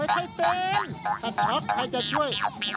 ถ้าช็อคใครจะช่วย